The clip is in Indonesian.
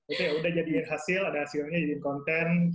itu yaudah jadiin hasil ada hasilnya jadiin konten